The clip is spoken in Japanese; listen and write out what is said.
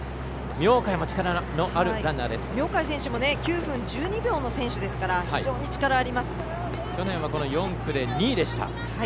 明貝選手も９分１２秒の選手ですから去年は４区で２位でした。